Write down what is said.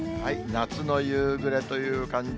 夏の夕暮れという感じ。